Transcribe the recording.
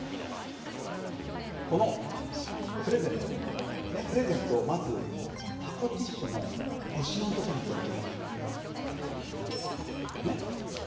このプレゼントプレゼントをまず箱ティッシュの後ろのとこにこうやって置いとくの。ね。